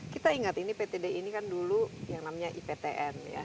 kita ingat ini pt di ini kan dulu yang namanya iptn ya